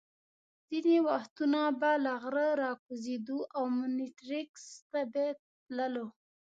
ځینې وختونه به له غره را کوزېدو او مونیټریکس ته به تللو.